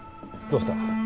どうした。